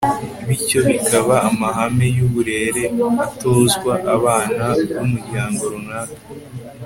bityo bikaba amahame y'uburere atozwa abana b'umuryango runaka